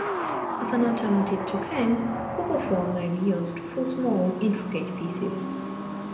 As an alternative to came, copper foil may be used, for small, intricate pieces.